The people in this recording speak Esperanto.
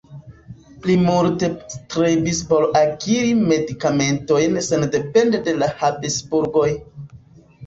Li multe strebis por akiri medikamentojn sendepende de la Habsburgoj.